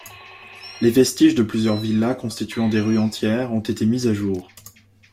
Les vestiges de plusieurs villas constituant des rues entières ont été mis au jour.